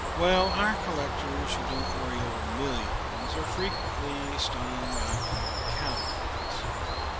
"Well, our collectors who don't worry over millions are frequently stung by clever counterfeits.